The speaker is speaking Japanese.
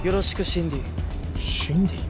シンディー？